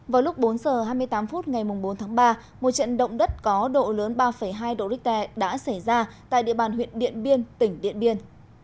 vào lúc bốn h hai mươi tám phút ngày bốn tháng ba một trận động đất có độ lớn ba hai độ richter đã xảy ra tại địa bàn huyện điện biên tỉnh điện biên